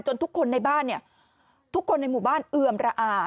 ทุกคนในบ้านเนี่ยทุกคนในหมู่บ้านเอือมระอา